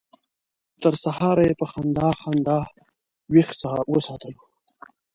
تر سهاره یې په خندا خندا ویښ وساتلو.